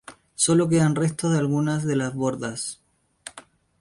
Sólo quedan restos de algunas de las bordas.